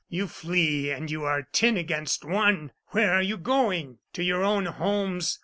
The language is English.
You flee and you are ten against one! Where are you going? To your own homes.